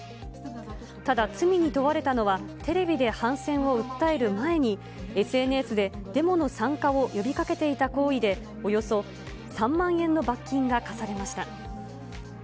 ただ、罪に問われたのは、テレビで反戦を訴える前に、ＳＮＳでデモの参加を呼びかけていた行為で、およそ３万円の罰金が科されました。